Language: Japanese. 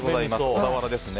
小田原です。